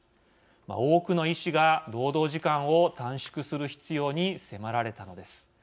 多くの医師が労働時間を短縮する必要に迫られたのです。